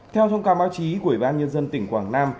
theo thông cáo báo chí của ủy ban nhân dân tỉnh quảng nam